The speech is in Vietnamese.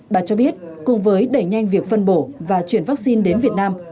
bà cho biết cùng với đẩy nhanh việc phân bổ và chuyển vaccine đến việt nam